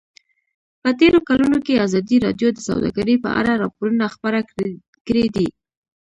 په تېرو کلونو کې ازادي راډیو د سوداګري په اړه راپورونه خپاره کړي دي.